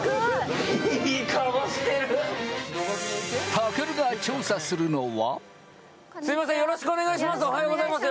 たけるが調査するのは。